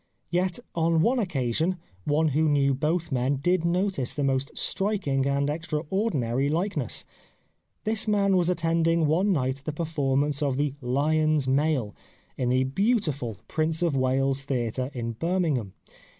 Yet, on one occasion, one who knew both men did notice the most striking and ex traordinary likeness. This man was attending one night the performance of the " Lyons Mail " in the beautiful Prince of Wales' Theatre in Birmingham.